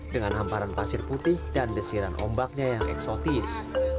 dengan hamparan pasir putih dan desiran ombaknya yang eksotis